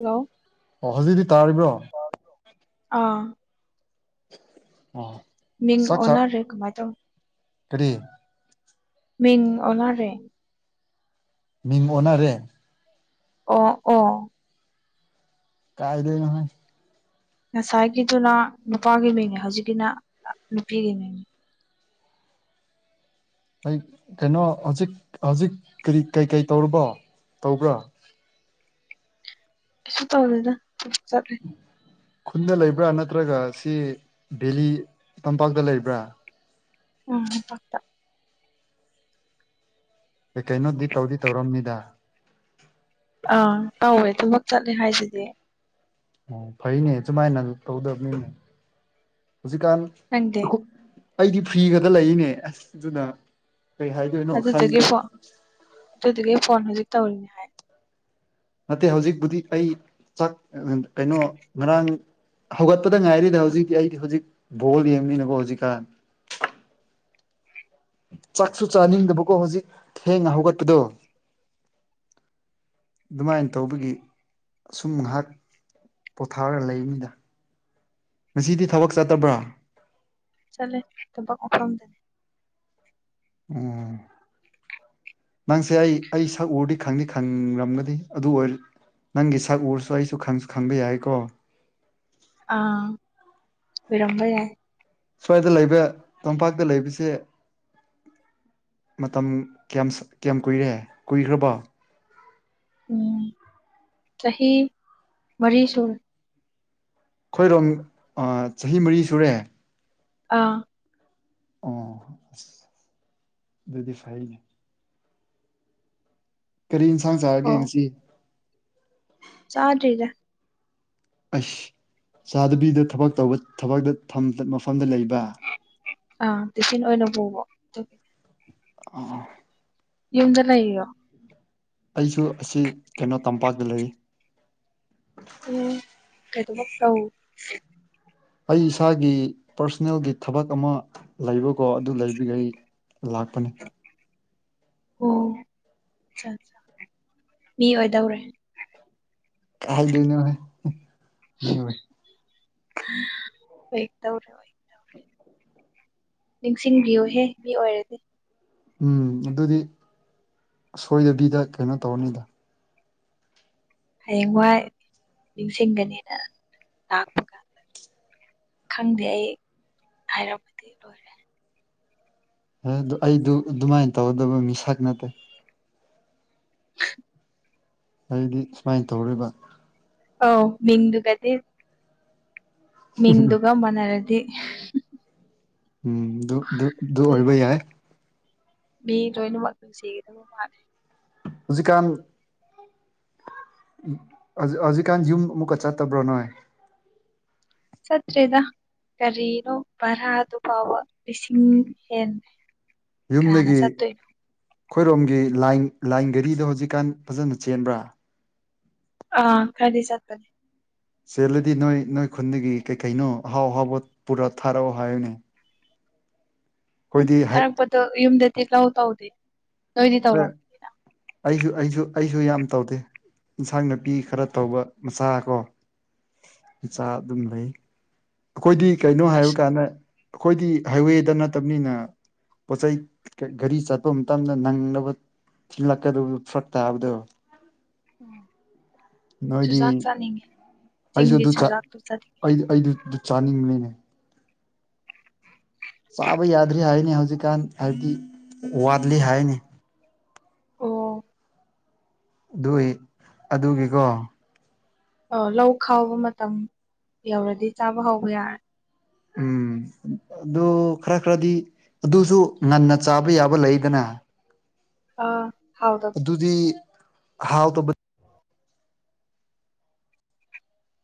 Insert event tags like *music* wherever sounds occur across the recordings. Hello ꯑꯣ ꯍꯧꯖꯤꯛꯗꯤ ꯇꯥꯔꯤꯕ꯭ꯔꯣ ꯑꯥ ꯑꯣ ꯃꯤꯡ ꯆꯥꯛ ꯆꯥ ꯑꯣꯟꯅꯔꯦ ꯀꯃꯥꯏ ꯇꯧ ꯀꯔꯤ ꯃꯤꯡ ꯑꯣꯟꯅꯔꯦ ꯃꯤꯡ ꯑꯣꯟꯅꯔꯦ ꯑꯣ ꯑꯣ ꯀꯥꯏꯗꯩꯅꯣꯍꯦ ꯉꯁꯥꯏꯒꯤꯗꯨꯅ ꯅꯨꯄꯥꯒꯤ ꯃꯤꯡꯅꯦ ꯍꯧꯖꯤꯛꯀꯤꯅ ꯅꯨꯄꯤꯒꯤ ꯃꯤꯡꯅꯤ ꯑꯩ ꯀꯩꯅꯣ ꯍꯧꯖꯤꯛ ꯍꯧꯖꯤꯛ ꯀꯔꯤ ꯀꯩꯀꯩ ꯇꯧꯔꯨꯕꯣ ꯇꯧꯕ꯭ꯔꯥ ꯀꯩꯁꯨ ꯇꯧꯗꯦꯗ ꯁꯨꯝ ꯆꯠꯂꯤ ꯈꯨꯟꯗ ꯂꯩꯕ꯭ꯔꯥ ꯅꯠꯇ꯭ꯔꯒ ꯁꯤ ꯚꯦꯂꯤ ꯇꯝꯄꯥꯛꯇ ꯂꯩꯕ꯭ꯔꯥ ꯎꯝ ꯄꯥꯛꯇ ꯀꯩ ꯀꯩꯅꯣꯗꯤ ꯇꯧꯗꯤ ꯇꯧꯔꯝꯅꯤꯗ ꯑꯥ ꯇꯧꯋꯦ ꯊꯕꯛ ꯆꯠꯂꯦ ꯍꯥꯏꯁꯤꯗꯤ ꯑꯣ ꯐꯩꯅꯦ ꯆꯨꯃꯥꯏꯅꯪ ꯇꯧꯗꯕꯅꯤꯅꯦ ꯍꯧꯖꯤꯛꯀꯥꯟ ꯅꯪꯗꯤ *unintelligible* ꯑꯩꯗꯤ ꯐ꯭ꯔꯤꯒꯗ ꯂꯩꯅꯦ ꯑꯁ ꯑꯗꯨꯅ ꯀꯩ ꯍꯥꯏ ꯑꯗꯨꯗꯨꯒꯤ ꯐꯣ ꯑꯗꯨꯗꯨꯒꯤ ꯐꯣꯟ ꯍꯧꯖꯤꯛ ꯇꯧꯔꯤꯅꯤ ꯍꯥꯏ ꯅꯠꯇꯦ ꯍꯧꯖꯤꯛꯄꯨꯗꯤ ꯑꯩ ꯆꯥꯛ ꯀꯩꯅꯣ ꯉꯔꯥꯡ ꯍꯧꯒꯠꯄꯗ ꯉꯥꯏꯔꯤꯗ ꯍꯨꯖꯤꯛꯇꯤ ꯑꯩꯗꯤ ꯍꯨꯖꯤꯛ ꯕꯣꯜ ꯌꯦꯡꯕꯅꯤꯅꯀꯣ ꯍꯨꯖꯤꯛꯀꯥꯟ ꯆꯥꯛꯁꯨ ꯆꯥꯅꯤꯡꯗꯕꯀꯣ ꯍꯨꯖꯤꯛ ꯊꯦꯡꯅ ꯍꯧꯒꯠꯄꯗꯣ ꯗꯨꯃꯥꯏꯟ ꯇꯧꯕꯒꯤ ꯑꯁꯨꯝ ꯉꯍꯥꯛ ꯄꯣꯊꯥꯔ ꯂꯩꯃꯤꯗ ꯉꯁꯤꯗꯤ ꯊꯕꯛ ꯆꯠꯇꯕ꯭ꯔꯥ ꯆꯠꯂꯦ ꯊꯕꯛ ꯃꯐꯝꯗꯅꯦ ꯑꯣ ꯅꯪꯁꯦ ꯑꯩ ꯑꯩ ꯁꯛ ꯎꯔꯗꯤ ꯈꯪꯗꯤ ꯈꯪꯅꯤꯡꯔꯝꯒꯅꯤ ꯑꯗꯨ ꯑꯣꯏ ꯅꯪꯒꯤ ꯁꯛ ꯎꯔꯁꯨ ꯑꯩꯁꯨ ꯈꯪꯁꯨ ꯈꯪꯕ ꯌꯥꯏꯀꯣ ꯑꯥ ꯑꯣꯏꯔꯝꯕ ꯌꯥꯏ ꯁ꯭ꯋꯥꯏꯗ ꯂꯩꯕ ꯇꯝꯄꯥꯛꯇ ꯂꯩꯕꯁꯦ ꯃꯇꯝ ꯀꯌꯥꯝ ꯁ ꯀꯌꯥꯝ ꯀꯨꯏꯔꯦ ꯀꯨꯏꯈ꯭ꯔꯕꯣ ꯎꯝ ꯆꯍꯤ ꯃꯔꯤ ꯁꯨꯔꯦ ꯈꯣꯏꯔꯣꯝ ꯑ ꯆꯍꯤ ꯃꯔꯤ ꯁꯨꯔꯦ ꯑꯥ ꯑꯣ ꯑꯁ ꯑꯗꯨꯗꯤ ꯐꯩꯅꯦ ꯀꯔꯤ ꯏꯟꯁꯥꯡ ꯆꯥꯔꯒꯦ ꯉꯁꯤ ꯆꯗ꯭ꯔꯤꯗ ꯑꯩꯁ ꯆꯥꯗꯕꯤꯗ ꯊꯕꯛ ꯇꯧꯕ ꯊꯕꯛꯇ ꯐꯝꯇ ꯃꯐꯝꯗ ꯂꯩꯕ ꯑꯥ ꯇꯦꯁꯤꯟ ꯑꯣꯏꯅ ꯄꯨꯕ ꯑꯗꯨꯒꯤ *unintelligible* ꯌꯨꯝꯗ ꯂꯩꯔꯤꯔꯣ ꯑꯩꯁꯨ ꯑꯁꯤ ꯀꯩꯅꯣ ꯇꯝꯄꯥꯛꯇ ꯂꯩ ꯎꯨ ꯀꯩ ꯊꯕꯛ ꯇꯧ ꯑꯩ ꯏꯁꯥꯒꯤ ꯄꯔꯁ꯭ꯅꯦꯜꯒꯤ ꯊꯕꯛ ꯑꯃ ꯂꯩꯕꯀꯣ ꯑꯗꯨ ꯂꯩꯕꯒꯤ ꯑꯩ ꯂꯥꯛꯄꯅꯦ ꯑꯣ ꯆꯥꯆꯥ ꯃꯤ ꯑꯣꯏꯗꯧꯔꯦ ꯀꯥꯏꯗꯩꯅꯣꯅꯦ ꯃꯤꯑꯣꯏ ꯀꯩ ꯇꯧꯔꯣꯏ ꯅꯤꯡꯁꯤꯡꯕꯤꯌꯣꯍꯦ ꯃꯤ ꯑꯣꯏꯔꯗꯤ ꯎꯝ ꯑꯗꯨꯗꯤ ꯁꯣꯏꯗꯕꯤꯗ ꯀꯩꯅꯣ ꯇꯧꯔꯅꯤꯗ ꯍꯥꯌꯦꯡꯋꯥꯏ ꯅꯤꯡꯁꯤꯡꯒꯅꯤꯅ ꯂꯥꯛꯄꯒ ꯈꯪꯗꯦ ꯑꯩ ꯍꯥꯏꯔꯛꯄꯗꯤ ꯂꯣꯏꯔꯦ ꯑꯦ ꯑꯗꯨ ꯑꯩꯗꯨ ꯑꯗꯨꯃꯥꯏꯅ ꯇꯧꯒꯗꯕ ꯃꯤꯁꯛ ꯅꯠꯇꯦ ꯑꯩꯗꯤ ꯁꯨꯃꯥꯏꯟ ꯇꯧꯔꯤꯕ ꯑꯧ ꯃꯤꯡꯗꯨꯒꯗꯤꯗ ꯃꯤꯡꯗꯨꯒ ꯃꯥꯟꯅꯔꯗꯤ ꯎꯝ ꯑꯗꯨ ꯑꯗꯨ ꯑꯗꯨ ꯑꯣꯏꯕ ꯌꯥꯏ ꯃꯤ ꯂꯣꯏꯅꯃꯛ ꯅꯨꯡꯁꯤꯒꯗꯕ ꯃꯥꯜꯂꯦ ꯍꯧꯖꯤꯛꯀꯥꯟ ꯎꯝ ꯑꯧꯖꯤꯛ ꯑꯧꯖꯤꯛꯀꯥꯟ ꯌꯨꯝ ꯑꯃꯨꯛꯀ ꯆꯠꯇꯕ꯭ꯔꯣ ꯅꯣꯏ? ꯆꯠꯇ꯭ꯔꯦꯗ ꯀꯔꯤꯅꯣ ꯚꯥꯔꯥꯗꯨ ꯐꯥꯎꯕ ꯂꯤꯁꯤꯡ ꯍꯦꯟꯂꯦ꯫ ꯌꯨꯝꯗꯒꯤ ꯈꯣꯏꯔꯣꯝꯒꯤ ꯂꯥꯏꯟ ꯂꯥꯏꯟ ꯒꯥꯔꯤꯗꯣ ꯍꯧꯖꯤꯛꯀꯥꯟ ꯐꯖꯅ ꯆꯦꯟꯕ꯭ꯔꯥ? ꯑꯥ ꯈꯔꯗꯤ ꯆꯠꯄꯅꯦ꯫ ꯆꯦꯜꯂꯗꯤ ꯅꯣꯏ ꯅꯣꯏ ꯈꯨꯟꯗꯒꯤ ꯀꯩ ꯀꯩꯅꯣ ꯑꯍꯥꯎ ꯑꯍꯥꯎꯕꯠ ꯄꯨꯔꯠ ꯊꯥꯔꯛꯑꯣ ꯍꯥꯏꯌꯣꯅꯦ ꯎꯝ ꯍꯥꯏ ꯊꯥꯔꯛꯄꯗꯣ ꯌꯨꯝꯗꯗꯤ ꯂꯧ ꯇꯧꯗꯤ *unintelligible* ꯑꯩꯁꯨ ꯑꯩꯁꯨ ꯑꯩꯁꯨ ꯌꯥꯝ ꯇꯧꯗꯦ ꯏꯟꯁꯥꯡ ꯅꯥꯄꯤ ꯈꯔ ꯇꯧꯕ ꯃꯆꯥ ꯀꯣ ꯏꯆꯥ ꯑꯗꯨꯝ ꯂꯩ ꯑꯈꯣꯏꯗꯤ ꯀꯩꯅꯣ ꯍꯥꯏꯕ ꯑꯁ ꯀꯥꯟꯅ ꯑꯈꯣꯏꯗꯤ ꯍꯥꯏꯋꯦꯗꯥ ꯅꯠꯇꯕꯅꯤꯅ ꯄꯣꯠꯆꯩꯩ ꯒꯦ ꯒꯥꯔꯤ ꯆꯠꯄ ꯃꯇꯝꯗ ꯅꯪꯂꯧ ꯋꯠ ꯊꯤꯜꯂꯛꯀꯗꯕꯗꯨ ꯐꯥꯔꯛ ꯇꯥꯕꯗꯣ ꯑꯣ ꯅꯣꯏꯗꯤ ꯆꯨꯖꯥꯛ ꯆꯥꯅꯤꯡꯉꯦ ꯑꯩꯁꯨ ꯆꯤꯡꯒꯤ ꯑꯗꯨ ꯆꯥ ꯆꯨꯖꯥꯛꯇꯨ ꯆꯥꯅꯤꯡꯉꯦ ꯑꯩꯗꯤ ꯑꯩꯗꯤ ꯖꯨꯠꯆꯥꯅꯤꯡꯕꯅꯤꯅꯦ ꯆꯥꯕ ꯌꯥꯗ꯭ꯔꯤ ꯍꯥꯏꯌꯦꯅꯦ ꯍꯧꯖꯤꯛꯀꯥꯟ ꯍꯥꯏꯕꯗꯤ ꯋꯥꯠꯂꯤ ꯍꯥꯏꯌꯦꯅꯦ꯫ ꯑꯣ ꯑꯗꯨꯏ ꯑꯗꯨꯒꯤꯀꯣ ꯑꯧ ꯂꯧ ꯈꯥꯎꯕ ꯃꯇꯝ ꯌꯧꯔꯗꯤ ꯆꯥꯕ ꯍꯧꯕ ꯌꯥꯔꯦ ꯎꯝ ꯑꯠ ꯑꯗꯨ ꯈꯔ ꯈꯔꯗꯤ ꯑꯗꯨꯁꯨ ꯉꯟꯅ ꯆꯥꯕ ꯌꯥꯕ ꯂꯩꯗꯅ ꯑꯥ ꯍꯥꯎꯗꯞ ꯑꯗꯨꯗꯤ ꯍꯥꯎꯇꯕꯠ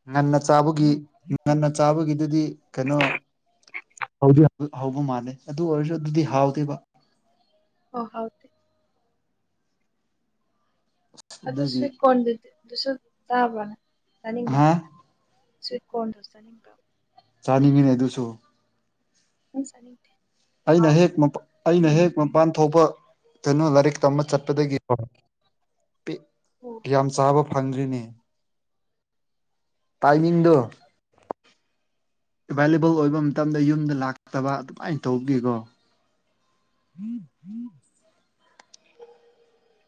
ꯉꯟꯅ ꯆꯥꯕꯒꯤ ꯉꯟꯅ ꯆꯥꯕꯒꯤꯗꯨꯗꯤ ꯀꯩꯅꯣ ꯍꯥꯎꯗꯦꯌꯥ ꯗꯨꯠ ꯍꯥꯎꯕ ꯃꯥꯜꯂꯦ ꯑꯗꯨ ꯑꯣꯏꯔꯖꯨ ꯑꯗꯨꯗꯤ ꯍꯥꯎꯇꯦꯕ ꯍꯣ ꯍꯣꯏꯠ ꯑꯗꯨ ꯑꯗꯨꯒꯤ ꯁ꯭ꯋꯤꯠ ꯀꯣꯔꯟꯗꯤꯗꯨ ꯗꯨꯁꯨ ꯆꯥꯕ꯭ꯔ ꯆꯥꯅꯤꯡꯕ꯭ꯔ? ꯍꯥ ꯁ꯭ꯋꯤꯠ ꯀꯣꯔꯟꯗꯨ ꯆꯥꯅꯤꯡꯕ꯭ꯔ? ꯆꯥꯅꯤꯡꯉꯤꯅꯦ ꯑꯗꯨꯁꯨ ꯅꯪ ꯆꯥꯅꯤꯡꯗꯦ ꯑꯩꯅ ꯃꯍꯥꯎꯗꯣ ꯍꯦꯛ ꯃꯄꯥ ꯑꯩꯅ ꯍꯦꯛ ꯍꯩꯅꯗꯦ ꯃꯄꯥꯟ ꯊꯣꯛꯄ ꯀꯩꯅꯣ ꯂꯥꯏꯔꯤꯛ ꯇꯝꯕ ꯆꯠꯄꯗꯒꯤ *unintelligible* ꯄꯦ ꯑꯣ ꯌꯥꯝ ꯆꯥꯕ ꯐꯪꯗ꯭ꯔꯤꯅꯦ ꯇꯥꯏꯃꯤꯡꯗꯨ ꯑꯦꯕꯥꯏꯂꯦꯕꯜ ꯑꯣꯏꯕ ꯃꯇꯝꯗ ꯌꯨꯝꯗ ꯂꯥꯛꯇꯕ ꯑꯗꯨꯃꯥꯏꯟ ꯇꯧꯒꯦꯀꯣ *inaudible*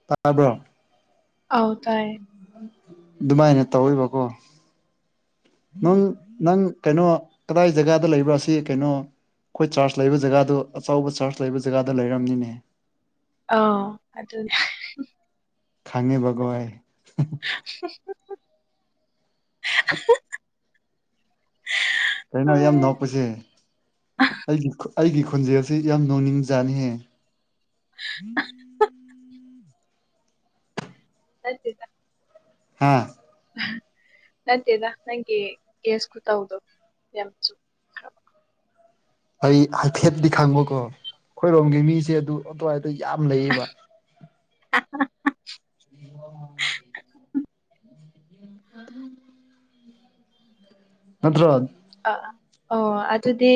ꯇꯥꯕ꯭ꯔꯣ ꯑꯧ ꯇꯥꯏꯌꯦ ꯑꯗꯨꯃꯥꯏꯅ ꯇꯧꯋꯤꯕꯀꯣ ꯅꯪ ꯅꯪ ꯀꯩꯅꯣ ꯀꯗꯥꯏ ꯖꯒꯥꯗ ꯂꯩꯕ꯭ꯔꯥ ꯁꯤ ꯀꯩꯅꯣ ꯈꯣꯏ ꯆꯥꯔꯖ ꯂꯩꯕ ꯖꯒꯥꯗꯨ ꯑꯆꯧꯕ ꯆꯥꯔꯖ ꯂꯩꯕ ꯖꯒꯥꯗ ꯂꯩꯔꯝꯅꯤꯅꯦ ꯑꯥꯎ ꯑꯗꯨꯅꯦ ꯈꯥꯡꯉꯦꯕꯒꯣ ꯑꯩ *unintelligible* ꯀꯩꯅꯣ ꯌꯥꯝ ꯅꯣꯛꯄꯁꯦ ꯑꯩꯒꯤ ꯈꯨ ꯑꯩꯒꯤ ꯈꯨꯟꯖꯦꯜꯁꯦ ꯌꯥꯝ ꯅꯣꯛꯅꯤꯡꯖꯥꯅꯤꯍꯦ *unintelligible* ꯅꯠꯇꯦꯗꯥ ꯍꯥꯥ ꯅꯠꯇꯦꯗ ꯅꯪꯒꯤ ꯀꯦꯁ ꯈꯨꯇꯧꯗꯣ ꯌꯥꯝꯆꯨ ꯑꯩ ꯍꯥꯏꯐꯦꯠꯗꯤ ꯈꯪꯕꯀꯣ ꯑꯩꯈꯣꯏꯔꯣꯝꯒꯤ ꯃꯤꯁꯦ ꯑꯗꯨ ꯑꯗꯨꯋꯥꯏꯗ ꯌꯥꯝ ꯂꯩꯌꯦꯕ *unintelligible* *unintelligible* *inaudible* *inaudible* ꯅꯠꯇ꯭ꯔꯣ ꯑ ꯑꯣ ꯑꯗꯨꯗꯤ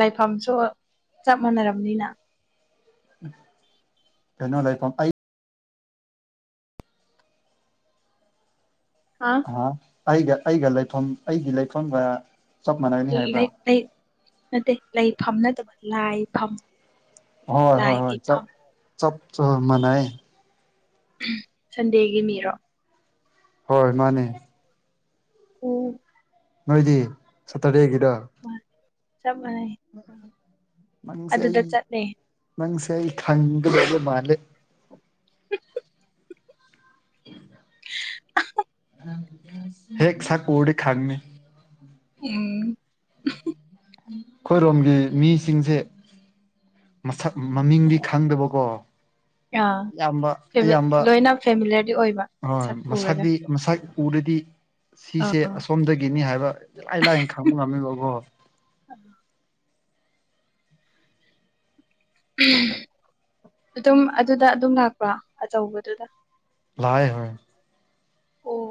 ꯂꯥꯏꯐꯝꯁꯨ ꯆꯞ ꯃꯥꯟꯅꯔꯝꯅꯤꯅ ꯀꯩꯅꯣ ꯂꯩꯐꯝ ꯑꯩ ꯍ ꯑ ꯑꯩꯒ ꯑꯩꯒ ꯂꯩꯐꯝ ꯑꯩꯒꯤ ꯂꯩꯐꯝꯒ ꯆꯞ ꯃꯥꯟꯅꯒꯅꯤ ꯍꯥꯏꯕ꯭ꯔꯥ ꯂꯩ ꯂꯩ ꯅꯠꯇꯦ ꯂꯩꯐꯝ ꯅꯠꯇꯕ ꯂꯥꯏꯐꯝ ꯍꯣꯏ ꯍꯣꯏ ꯍꯣꯏ ꯂꯥꯏꯒꯤ ꯆꯞ ꯐꯝ ꯆꯞ ꯆꯞ ꯃꯥꯅꯩꯌꯦ ꯁꯟꯗꯦꯒꯤ ꯃꯤꯔꯣ ꯍꯣꯏ ꯃꯥꯅꯦ ꯑꯣ ꯅꯣꯏꯗꯤ ꯁꯇꯔꯗꯦꯒꯤꯔ ꯃꯥꯅꯦ ꯆꯞ ꯃꯥꯟꯅꯩ ꯃꯪꯁꯦ ꯑꯗꯨꯗ ꯑꯩ ꯆꯠꯂꯦ ꯅꯪꯁꯦ ꯑꯩ ꯈꯪꯒꯗꯕ ꯃꯥꯟꯂꯦ *unintelligible* *inaudible* ꯍꯦꯛ ꯁꯛ ꯎꯔꯗꯤ ꯈꯪꯅꯤ ꯎꯝ ꯈꯣꯏꯔꯣꯝꯒꯤ ꯃꯤꯁꯤꯡꯁꯦ ꯃꯁꯛ ꯃꯃꯤꯡꯗꯤ ꯈꯪꯗꯕꯀꯣ ꯑꯥ ꯑꯌꯥꯝꯕ ꯐꯦꯃꯤ ꯑꯌꯥꯝꯕ ꯂꯣꯏꯅ ꯐꯦꯃꯤꯂꯔꯗꯤ ꯑꯣꯏꯕ ꯍꯣꯏ ꯁꯛ ꯎꯔꯒ ꯃꯁꯛꯗꯤ ꯃꯁꯛ ꯎꯔꯗꯤ ꯁꯤꯁꯦ ꯑꯁꯣꯝꯗꯒꯤꯅꯤ ꯍꯥꯏꯕ ꯂꯥꯏ ꯂꯥꯏꯅ ꯈꯪꯕ ꯉꯝꯃꯤꯕꯀꯣ *inaudible* ꯑꯗꯨꯝ ꯑꯗꯨꯗ ꯑꯗꯨꯝ ꯂꯥꯛꯄ꯭ꯔꯣ ꯑꯆꯧꯕꯗꯨꯗ ꯂꯥꯏ ꯍꯣꯏ ꯑꯣ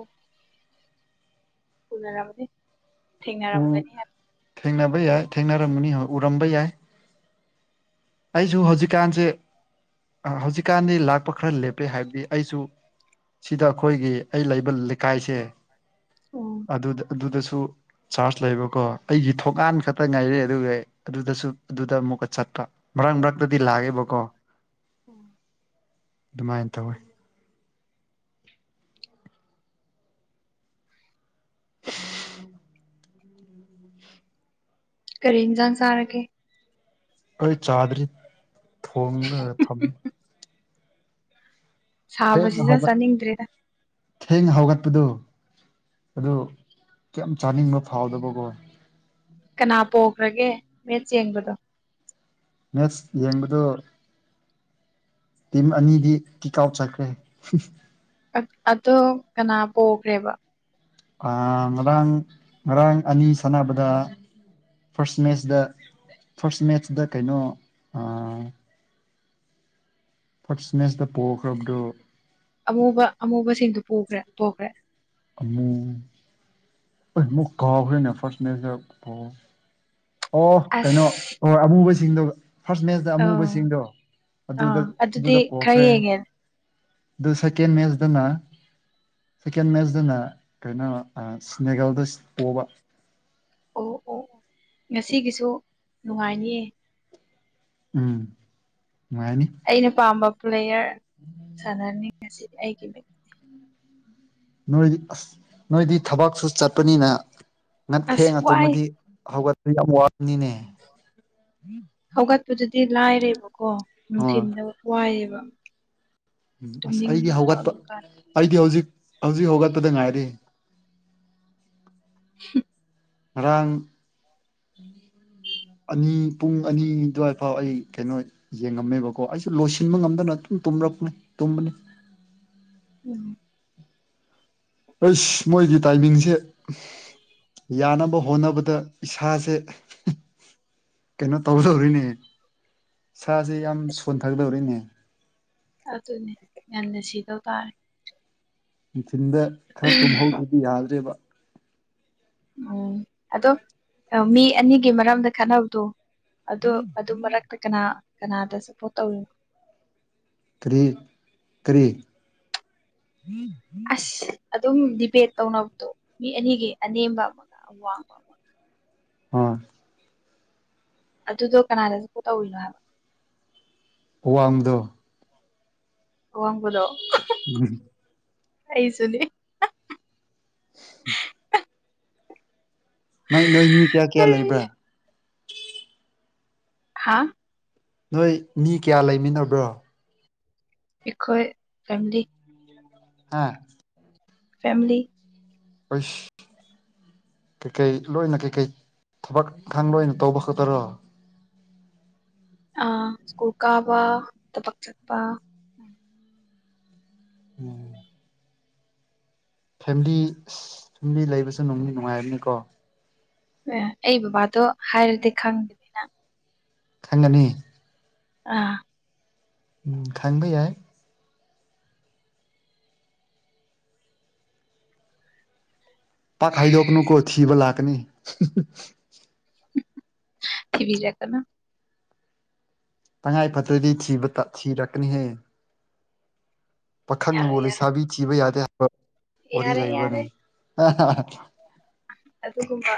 ꯎꯅꯔꯝꯅꯤ ꯎ ꯊꯦꯡꯅꯔꯝꯒꯅꯤ ꯍꯥꯏꯕ ꯊꯦꯡꯅꯕ ꯌꯥꯏ ꯊꯦꯡꯅꯔꯝꯒꯅꯤ ꯎꯔꯝꯕ ꯌꯥꯏ ꯑꯩꯁꯨ ꯍꯧꯖꯤꯛꯀꯥꯟꯁꯦ ꯍꯧꯖꯤꯛꯀꯥꯟꯗꯤ ꯂꯥꯛꯄ ꯈꯔ ꯂꯦꯞꯄꯦ ꯍꯥꯏꯕꯗꯤ ꯑꯩꯁꯨ ꯁꯤꯗ ꯑꯩꯈꯣꯏꯒꯤ ꯑꯩ ꯂꯩꯕ ꯂꯩꯀꯥꯏꯁꯦ ꯑꯣ ꯑꯗꯨꯗ ꯑꯗꯨꯗꯁꯨ ꯆꯔ꯭ꯆ ꯂꯩꯕꯀꯣ ꯑꯩꯒꯤ ꯊꯣꯡꯒꯥꯟ ꯈꯛꯇ ꯉꯥꯏꯔꯦ ꯑꯗꯨꯒ ꯑꯗꯨꯗꯁꯨ ꯑꯗꯨꯗ ꯑꯃꯨꯛꯀ ꯆꯠꯄ ꯃꯔꯛ ꯃꯔꯛꯇꯗꯤ ꯂꯥꯛꯑꯦꯕꯀꯣ *inaudible* ꯑꯗꯨꯃꯥꯏꯅ ꯇꯧꯋꯤ *unintelligible* ꯀꯔꯤ ꯏꯟꯖꯥꯡ ꯆꯔꯒꯦ ꯑꯩ ꯆꯥꯗ꯭ꯔꯤ ꯊꯣꯡꯔꯒ ꯊꯝꯃꯦ ꯊꯦꯡꯅ ꯁꯥꯕꯁꯤꯗ ꯍꯧꯒꯠ ꯆꯥꯅꯤꯡꯗ꯭ꯔꯦꯗ ꯊꯦꯡꯅ ꯍꯧꯒꯠꯄꯗꯨ ꯑꯗꯨ ꯀꯦꯝ ꯆꯥꯅꯤꯡꯕ ꯐꯥꯎꯗꯕꯀꯣ ꯀꯅꯥ ꯄꯣꯈ꯭ꯔꯒꯦ ꯃꯦꯁ ꯌꯦꯡꯕꯗꯣ ꯃꯦꯁ ꯌꯦꯡꯕꯗꯣ ꯇꯤꯝ ꯑꯅꯤꯗꯤ ꯀꯤꯛ ꯑꯥꯎꯠ ꯆꯠꯈ꯭ꯔꯦ ꯑ ꯑꯗꯣ ꯀꯅꯥ ꯄꯣꯈ꯭ꯔꯦꯕ ꯑ ꯉꯔꯥꯡ ꯉꯔꯥꯡ ꯑꯅꯤ ꯁꯥꯟꯅꯕꯗ ꯐꯥꯔ꯭ꯁ ꯃꯦꯁꯗ ꯐꯥꯔ꯭ꯁ ꯃꯦꯠꯆꯗ ꯀꯩꯅꯣ ꯑ ꯐꯥꯔꯁꯠ ꯃꯦꯠ꯭ꯆꯗ ꯄꯣꯈ꯭ꯔꯕꯗꯣ ꯑꯃꯨꯕ ꯑꯃꯨꯕꯁꯤꯡꯗꯨ ꯄꯨꯈ꯭ꯔꯦ ꯄꯣꯈ꯭ꯔꯦ ꯑꯝꯃꯨ ꯑꯩ ꯃꯨꯛ ꯀꯥꯎꯈ꯭ꯔꯦꯅꯦ ꯐꯥꯔ꯭ꯁ ꯃꯦꯠꯁꯇ ꯄꯣ ꯑꯣ ꯀꯩꯅꯣ ꯑꯁ ꯑꯣ ꯑꯃꯨꯕꯁꯤꯡꯗꯨ ꯐꯥꯔꯁ ꯃꯦꯠꯆꯇ ꯑꯧ ꯑꯃꯨꯕꯁꯤꯡꯗꯣ ꯑꯗꯨꯗ ꯑꯥ ꯑꯗꯨꯗꯤ ꯑꯗꯨꯗ ꯈꯔ ꯄꯣꯛꯈ꯭ꯔꯦ ꯌꯦꯡꯉꯦ ꯑꯗꯨ ꯁꯦꯀꯦꯟ ꯃꯦꯆꯗꯅ ꯁꯦꯀꯦꯟ ꯃꯦꯠꯆꯗꯅ ꯀꯩꯅꯣ ꯑꯥ ꯁ꯭ꯅꯦꯒꯜꯗ ꯄꯣꯕ ꯑꯣ ꯑꯣ ꯉꯁꯤꯒꯤꯁꯨ ꯅꯨꯡꯉꯥꯏꯅꯤꯌꯦ ꯎꯝ ꯅꯨꯉꯥꯏꯅꯤ ꯑꯩꯅ ꯄꯥꯝꯕ ꯄ꯭ꯂꯦꯌꯔ ꯁꯥꯟꯅꯅꯤ ꯉꯁꯤ ꯑꯩꯒꯤꯅꯤ ꯅꯣꯏꯗꯤ ꯑꯁ ꯅꯣꯏꯗꯤ ꯊꯕꯛꯁꯨ ꯆꯠꯄꯅꯤꯅ ꯅꯡ ꯑꯁ ꯊꯦꯡꯅꯥ ꯋꯥꯏ ꯇꯨꯝꯃꯗꯤ ꯍꯧꯒꯠꯄꯗꯤ ꯌꯥꯝ ꯋꯥꯒꯥꯅꯤꯅꯦ ꯍꯧꯒꯠꯄꯗꯨꯗꯤ ꯂꯥꯏꯔꯦꯕꯀꯣ ꯍꯣꯏ ꯅꯨꯡꯊꯤꯟꯗꯤ ꯋꯥꯏꯌꯦꯕꯥ ꯑꯁ ꯑꯩꯗꯤ ꯍꯧꯒꯠꯄ ꯑꯩꯗꯤ ꯍꯧꯖꯤꯛ ꯍꯧꯖꯤꯛ ꯍꯧꯒꯠꯄꯗ ꯉꯥꯏꯔꯤ *unintelligible* ꯉꯔꯥꯡ ꯑꯅꯤ ꯄꯨꯡ ꯑꯅꯤ ꯑꯗꯨꯋꯥꯏ ꯐꯥꯎ ꯑꯩ ꯀꯩꯅꯣ ꯌꯦꯡꯉꯝꯃꯦꯕꯀꯣ ꯑꯩꯁꯨ ꯂꯣꯏꯁꯤꯟꯕ ꯉꯝꯗꯅ ꯑꯗꯨꯝ ꯇꯨꯝꯒꯔꯕꯅꯦ ꯇꯨꯝꯕꯅꯦ ꯎꯝ ꯑꯩꯁ ꯃꯣꯏꯒꯤ ꯇꯥꯏꯃꯤꯡꯁꯦ ꯌꯥꯅꯕ ꯍꯣꯠꯅꯕꯗ ꯏꯁꯥꯁꯦ ꯀꯩꯅꯣ ꯇꯧꯒꯗꯧꯔꯤꯅꯦ ꯑꯦꯁꯥꯁꯦ ꯌꯥꯝ ꯁꯣꯟ ꯊꯒꯗꯧꯔꯤꯅꯦ ꯑꯗꯨꯅꯦ ꯉꯟꯅ ꯁꯤꯗꯧ ꯇꯥꯔꯦ ꯅꯨꯡꯊꯤꯟꯗ ꯈꯔ ꯇꯨꯝꯍꯧꯗ꯭ꯔꯗꯤ ꯌꯥꯗ꯭ꯔꯦꯕ ꯎꯝ ꯑꯗꯣ ꯃꯤ ꯑꯅꯤꯒꯤ ꯃꯔꯝꯗ ꯈꯠꯅꯕꯗꯣ ꯑ ꯑꯗꯨ ꯃꯔꯛꯇ ꯀꯅꯥ ꯀꯅꯥꯗ ꯁꯄꯣꯔꯠ ꯇꯧꯔꯤꯅꯣ ꯀꯔꯤ ꯀꯔꯤ ꯑꯁ ꯑꯗꯨꯝ ꯗꯤꯕꯦꯠ ꯇꯧꯅꯕꯗꯣ ꯃꯤ ꯑꯅꯤꯒꯤ ꯑꯅꯦꯝꯕ ꯑꯃꯒ ꯋꯥꯡꯕ ꯑꯃꯒ ꯑ ꯑꯗꯨꯗꯣ ꯀꯅꯥꯗ ꯁꯄꯣꯔꯠ ꯇꯧꯔꯤꯅꯣ ꯍꯥꯏꯕ ꯑꯋꯥꯡꯕꯗꯣ ꯑꯋꯥꯡꯕꯗꯣ *unintelligible* ꯑꯩꯁꯨꯅꯦ *unintelligible* ꯅꯪ ꯅꯣꯏ ꯃꯤ ꯀꯌꯥ ꯀꯌꯥ ꯂꯩꯕ꯭ꯔꯥ ꯍꯥꯥ ꯅꯣꯏ ꯃꯤ ꯀꯌꯥ ꯂꯩꯃꯤꯟꯅꯕ꯭ꯔꯣ ꯑꯩꯈꯣꯏ ꯐꯦꯃꯤꯂꯤ ꯍ ꯐꯦꯃꯤꯂꯤ ꯑꯁ ꯀꯩꯀꯩ ꯂꯣꯏꯅ ꯀꯩꯀꯩ ꯊꯕꯛ ꯏꯪꯈꯥꯡ ꯂꯣꯏꯅ ꯇꯧꯕ ꯈꯛꯇꯔꯣ ꯑ ꯁ꯭ꯀꯨꯜ ꯀꯥꯕ ꯊꯕꯛ ꯆꯠꯄ *unintelligible* ꯐꯦꯃꯤꯂꯤ ꯐꯦꯃꯤꯂꯤ ꯂꯩꯕꯁꯨ ꯅꯨꯡꯗꯤ ꯅꯨꯡꯉꯥꯏꯕꯅꯤꯀꯣ ꯑꯦ ꯑꯩ ꯕꯕꯥꯗꯣ ꯍꯥꯏꯔꯗꯤ ꯈꯪꯗꯦ ꯈꯪꯒꯅꯤ ꯑꯥ ꯈꯟꯕ ꯌꯥꯏ ꯄꯥꯛ ꯍꯥꯏꯗꯣꯛꯀꯅꯨꯀꯣ ꯊꯤꯕ ꯂꯥꯛꯀꯅꯤ ꯊꯤꯕꯤꯔꯛꯀꯅꯣ ꯇꯪꯉꯥꯏ ꯐꯗ꯭ꯔꯗꯤ ꯊꯤꯕ ꯊꯤꯔꯛꯀꯅꯤꯍꯦ ꯄꯥꯈꯪꯅꯕꯨ ꯌꯥꯔꯣꯏ ꯌꯥꯔꯣꯏ ꯂꯩꯁꯥꯕꯤ ꯊꯤꯕ ꯌꯥꯗꯦ ꯍꯥꯏꯕ ꯋꯥꯔꯤ ꯌꯥꯔꯦ ꯌꯥꯔꯦ ꯂꯩꯕꯔꯅꯦ ꯑꯗꯨꯒꯨꯝꯕ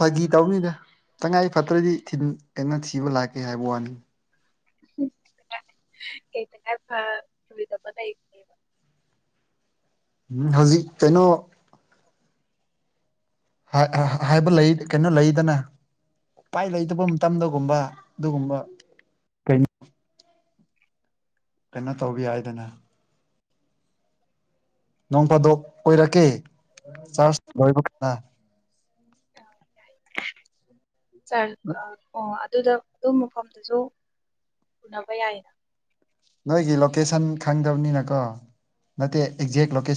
ꯐꯥꯒꯤ ꯇꯧꯅꯤꯗ ꯇꯉꯥꯏ ꯐꯗ꯭ꯔꯗꯤ ꯊꯤꯅ ꯊꯤꯕ ꯂꯥꯛꯀꯦ ꯍꯥꯏꯕ ꯋꯥꯅꯤ *unintelligible* ꯎꯝ ꯍꯧꯖꯤꯛ ꯀꯩꯅꯣ ꯍꯥꯏꯕ ꯀꯩꯅꯣ ꯂꯩꯗꯅ ꯎꯄꯥꯏ ꯂꯩꯇꯕ ꯃꯇꯝꯗꯒꯨꯝꯕ ꯑꯗꯨꯒꯨꯝꯕ ꯀꯩꯅꯣ ꯀꯩꯅꯣ ꯇꯧꯕ ꯍꯥꯏꯗꯅ ꯅꯣꯡ ꯐꯥꯗꯣꯛ ꯀꯣꯏꯔꯛꯀꯦ ꯆꯥꯔꯖ ꯑꯣꯏꯕ ꯀꯥꯟꯗ ꯆꯠꯂꯣ ꯑꯗꯨꯗ ꯑꯗꯨꯝ ꯃꯐꯝꯗꯨꯁꯨ ꯎꯅꯕ ꯌꯥꯏꯌꯦꯅ ꯅꯣꯏꯒꯤ ꯂꯣꯀꯦꯁꯟ ꯈꯪꯗꯕꯅꯤꯅꯀꯣ ꯅꯠꯇꯦ ꯑꯦꯛꯖꯦꯛ ꯂꯣꯀꯦꯁꯟ